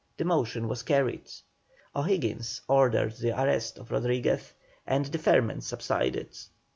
The motion was carried. O'Higgins ordered the arrest of Rodriguez, and the ferment subsided.